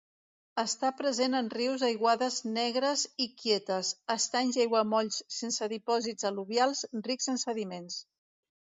Està present en rius aiguades negres i quietes, estanys i aiguamolls sense dipòsits al·luvials rics en sediments.